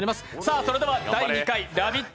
それでは第２回ラヴィット！